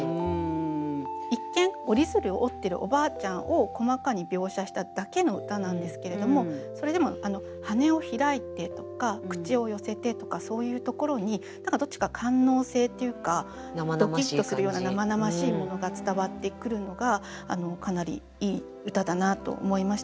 一見折り鶴を折ってるおばあちゃんを細かに描写しただけの歌なんですけれどもそれでも「はねをひらいて」とか「口を寄せて」とかそういうところにどっちか官能性っていうかドキッとするような生々しいものが伝わってくるのがかなりいい歌だなと思いました。